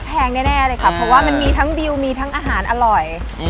แพงแน่เลยค่ะเพราะว่ามันมีทั้งดิวมีทั้งอาหารอร่อย